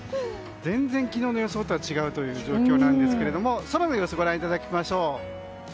全然、昨日の予想とは違うという状況なんですが空の様子をご覧いただきましょう。